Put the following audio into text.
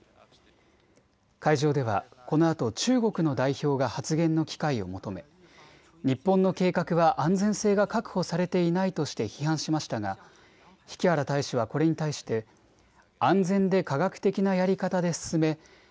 会場ではこのあと、中国の代表が発言の機会を求め日本の計画は安全性が確保されていないとして批判しましたが引原大使はこれに対して安全で科学的なやり方で進め